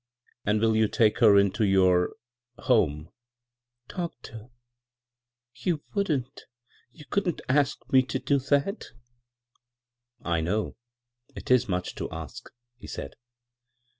" And will you take her into your — ^home ?"" Doctor I You wouldn't, you couldn't ask me to do that 1 "" I know ; it is much to ask,'' he said.